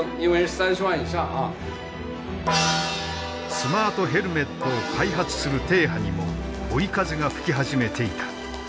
スマートヘルメットを開発する波にも追い風が吹き始めていた。